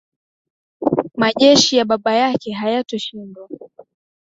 majeshi ya baba yake hayatoshindwa